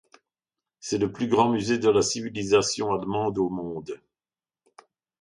C'est le plus grand musée de la civilisation allemande au monde.